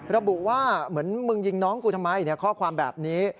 ระบุว่าเหมือนมึงยิงน้องกูทำไมข้อความแบบนี้